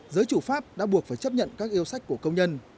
giới chủ pháp đã buộc phải chấp nhận các yêu sách của công nhân